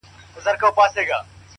که راتلې زه در څخه هېر نه سمه;